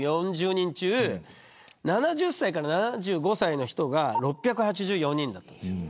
人中７０歳から７５歳の人が６８４人だったんです。